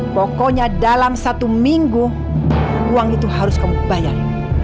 pokoknya dalam satu minggu uang itu harus kamu bayar